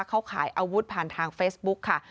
เขาขายอาวุธผ่านทางเฟซบุ๊กค่ะ